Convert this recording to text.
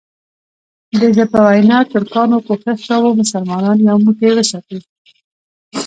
دده په وینا ترکانو کوښښ کاوه مسلمانان یو موټی وساتي.